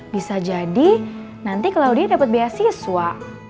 bisa jadi nanti claudia dapet beasiswa